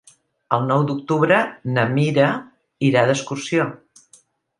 El nou d'octubre na Mira irà d'excursió.